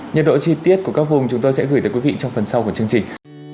nhật độ chi tiết của các vùng chúng tôi sẽ gửi tới quý vị trong phần sau của chương trình